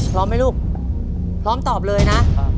พร้อมไหมลูกพร้อมตอบเลยนะ